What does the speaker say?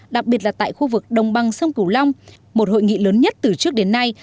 đặc biệt là tại khu vực đồng bằng sông cửu long một hội nghị lớn nhất từ trước đến nay